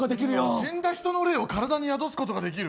死んだ人の霊を体に宿すことができる。